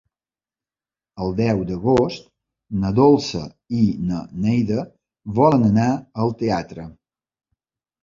El deu d'agost na Dolça i na Neida volen anar al teatre.